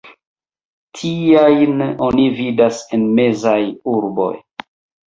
Tiajn oni vidas en mezaj urboj.